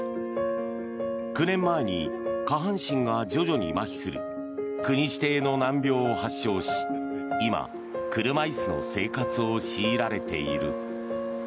９年前に下半身が徐々にまひする国指定の難病を発症し今、車椅子の生活を強いられている。